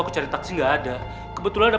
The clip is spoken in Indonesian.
aku cari taksi gak ada kebetulan ada